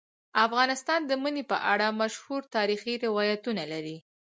افغانستان د منی په اړه مشهور تاریخی روایتونه لري.